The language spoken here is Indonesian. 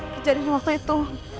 kejadian waktu itu